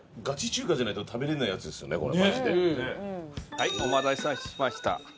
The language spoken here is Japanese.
はいお待たせしました。